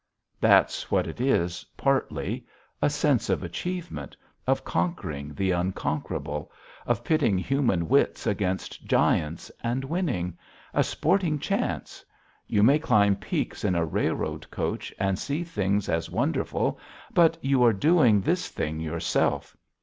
That's what it is, partly. A sense of achievement; of conquering the unconquerable; of pitting human wits against giants and winning a sporting chance. You may climb peaks in a railroad coach and see things as wonderful. But you are doing this thing yourself.